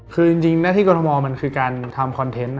คือจริงหน้าที่กรทมมันคือการทำคอนเทนต์